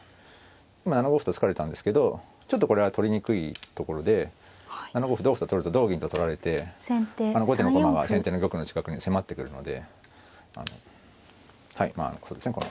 今７五歩と突かれたんですけどちょっとこれは取りにくいところで７五歩同歩と取ると同銀と取られて後手の駒が先手の玉の近くに迫ってくるのではいまあそうですね